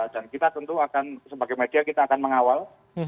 dan kita tentu akan sebagai media kita akan mengawal